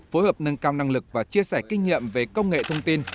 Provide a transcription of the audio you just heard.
phối hợp nâng cao năng lực và chia sẻ kinh nghiệm về công nghệ thông tin